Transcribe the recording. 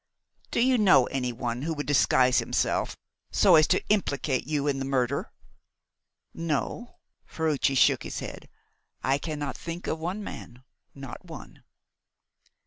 "Do you know any one who would disguise himself so as to implicate you in the murder?" "No." Ferruci shook his head. "I cannot think of one man not one."